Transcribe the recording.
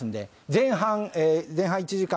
前半前半１時間